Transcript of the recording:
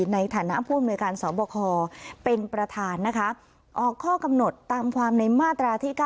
ในฐานะผู้อำนวยการสอบคอเป็นประธานนะคะออกข้อกำหนดตามความในมาตราที่๙